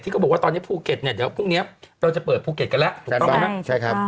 ที่ก็บอกว่าตอนนี้ภูเก็ตเดี๋ยวพรุ่งนี้เราจะเปิดภูเก็ตกันแล้วถูกต้องไหม